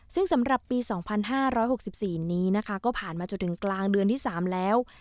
ซึ่งสำหรับปีสองพันห้าร้อยหกสิบสี่นี้นะคะก็ผ่านมาจนถึงกลางเดือนที่สามแล้ว